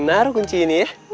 siapa yang taruh kunci ini ya